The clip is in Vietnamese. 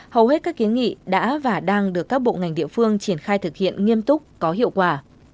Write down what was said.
hầu hết các kiến nghị đã và đang được các bộ ngành địa phương triển khai thực hiện nghiêm túc có hiệu quả